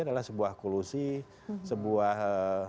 adalah sebuah kolusi sebuah